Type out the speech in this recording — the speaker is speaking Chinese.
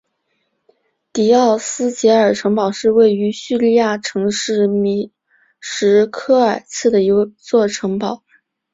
迪欧斯捷尔城堡是位于匈牙利城市米什科尔茨的一座城堡。